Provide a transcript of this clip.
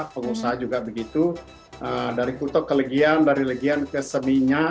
pengusaha juga begitu dari kuta ke legian dari legian ke seminya